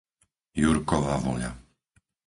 Jurkova Voľa